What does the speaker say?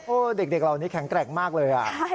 โอ้เด็กเราอันนี้แข็งแกรกมากเลย